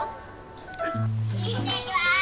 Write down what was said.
いってきます！